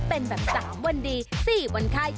เป็นแบบ๓วันดี๔วันไข้